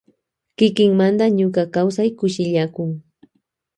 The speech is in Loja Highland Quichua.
Kikimanda ñuka kausai kushillakan.